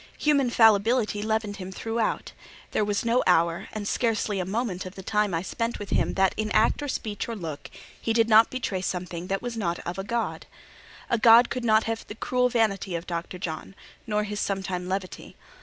Human fallibility leavened him throughout: there was no hour, and scarcely a moment of the time I spent with him that in act or speech, or look, he did not betray something that was not of a god. A god could not have the cruel vanity of Dr. John, nor his sometime levity.